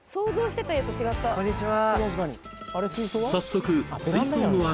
こんにちは